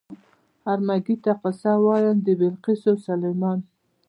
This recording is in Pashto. "هر مېږي ته قصه وایم د بلقیس او سلیمان".